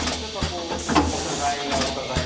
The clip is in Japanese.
お互いがお互いを？